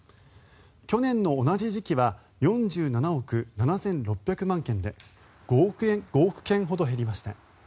去年の同じ時期は４７億７６００万件で５億件ほど減りました。